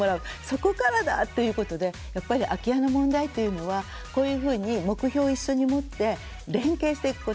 そこからだっていうことでやっぱり空き家の問題というのはこういうふうに目標を一緒に持って連携していくこと。